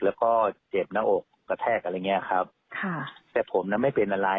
แล้วก็เจ็บหน้าอกกระแทกอะไรอย่างเงี้ยครับค่ะแต่ผมน่ะไม่เป็นอะไร